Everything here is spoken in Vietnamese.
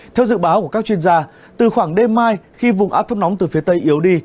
theo dự báo của các chuyên gia từ khoảng đêm mai khi vùng áp thấp nóng từ phía tây yếu đi